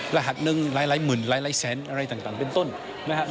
รหัสหนึ่งหลายหมื่นหลายแสนอะไรต่างเป็นต้นนะครับ